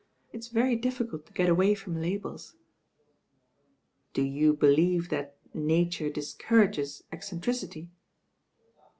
"It*s very difficult to get away from labels. "Do you believe that Nature discourages eccen tricity?"